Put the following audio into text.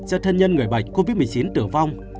cho thân nhân người bệnh covid một mươi chín tử vong